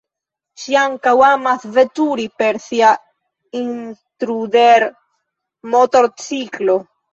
Ŝi ankaŭ amas veturi per sia Intruder-motorciklo.